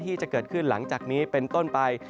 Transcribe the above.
ที่จะเกิดขึ้นหลังจากนี้เป็นต้นไป